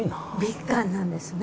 敏感なんですね。